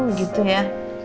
oh gitu ya